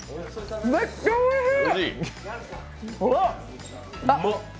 めっちゃおいしい、おっ。